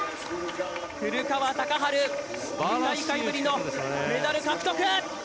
古川高晴、２大会ぶりのメダル獲得。